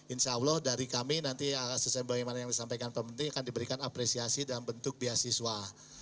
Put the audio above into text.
insya allah dari kami nanti sesuai bagaimana yang disampaikan pemerintah akan diberikan apresiasi dalam bentuk beasiswa